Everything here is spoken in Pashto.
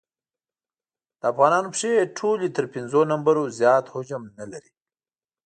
د افغانانو پښې ټولې تر پېنځو نمبرو زیات حجم نه لري.